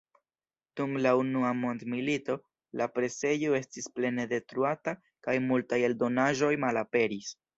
Dum la unua mondmilito la presejo estis plene detruata kaj multaj eldonaĵoj malaperis.